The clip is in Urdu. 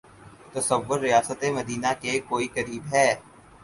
تصور ریاست مدینہ کے کوئی قریب ہے۔